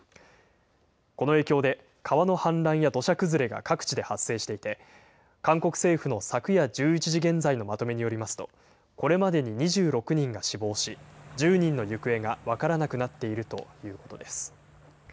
この影響で川の氾濫や土砂崩れが各地で発生していて、韓国政府の昨夜１１時現在のまとめによりますと、これまでに２６人が死亡し、１０人の行方が分からなくなっているということです。